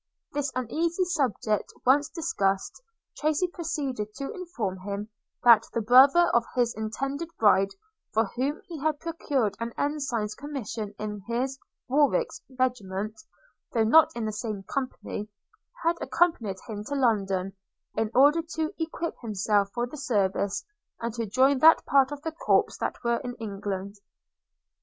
This uneasy subject once discussed, Tracy proceeded to inform him, that the brother of his intended bride, for whom he had procured an Ensign's commission in his (Warwick's) regiment, though not in the same company, had accompanied him to London, in order to equip himself for the service, and to join that part of the corps that were in England.